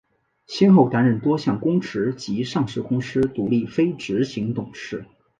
先后担任多项公职及上市公司独立非执行董事。